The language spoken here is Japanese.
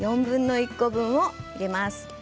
４分の１個分を入れます。